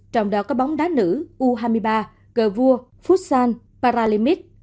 trong đó có bóng đá nữ u hai mươi ba gv futsal paralimit